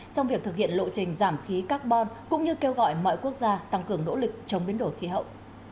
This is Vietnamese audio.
trong việc thực hiện lộ trình giảm khí carbon cũng như kêu gọi mọi quốc gia tăng cường nỗ lực chống biến đổi khí hậu